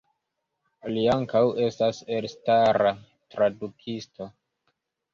Li ankaŭ estas elstara tradukisto.